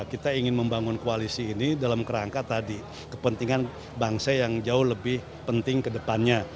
kita ingin membangun koalisi ini dalam kerangka tadi kepentingan bangsa yang jauh lebih penting ke depannya